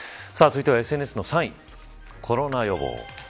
続いてはＳＮＳの３位コロナ予防。